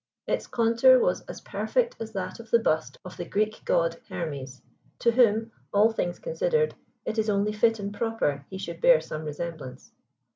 Its contour was as perfect as that of the bust of the Greek god Hermes, to whom, all things considered, it is only fit and proper he should bear some resemblance.